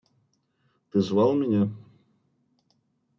Ты звал меня?